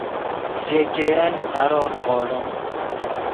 ژے ګئین سارو نیغوڑیم